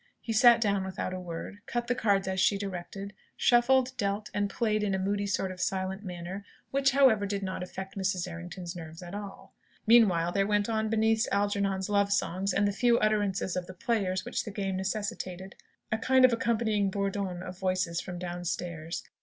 He sat down without a word, cut the cards as she directed, shuffled, dealt, and played in a moody sort of silent manner; which, however, did not affect Mrs. Errington's nerves at all. Meanwhile, there went on beneath Algernon's love songs and the few utterances of the players which the game necessitated, a kind of accompanying "bourdon" of voices from downstairs.